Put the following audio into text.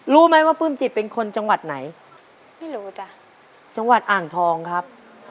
รู้ไหมว่าปลื้มจิตเป็นคนจังหวัดไหนไม่รู้จ้ะจังหวัดอ่างทองครับ